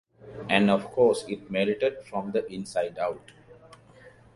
And of course it melted from the inside out.